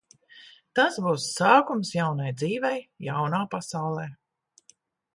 Tas būs sākums jaunai dzīvei jaunā pasaulē.